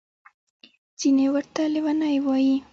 ځینې ورته لوني وايي.